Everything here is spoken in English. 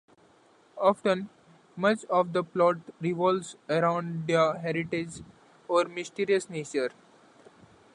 Often, much of the plot revolves around their heritage or mysterious nature.